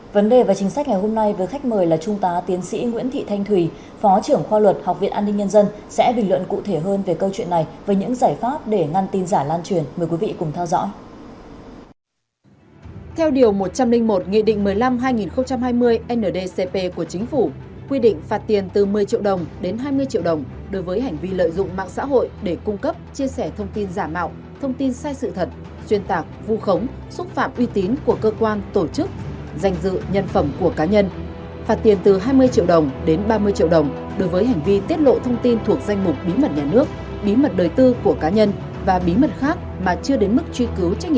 vấn đề về chính sách ngày hôm nay vừa khách mời là trung tá tiến sĩ nguyễn thị thanh thùy phó trưởng khoa luật học viện an ninh nhân dân sẽ bình luận cụ thể hơn về câu chuyện này và những giải pháp để ngăn tin giả lan truyền